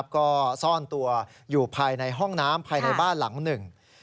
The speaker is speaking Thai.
ก็ซ่อนตัวอยู่ภายในห้องน้ำภายในบ้านหลังหนึ่ง